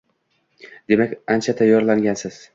Demak, ancha tayorlangansiz